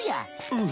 うん。